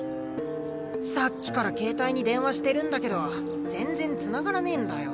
さっきから携帯に電話してるんだけど全然つながらねぇんだよ。